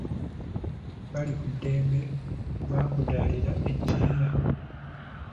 Balikuddembe, bakudaalira ajeera.